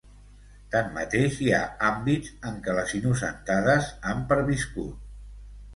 Tanmateix, hi ha àmbits en què les innocentades han perviscut.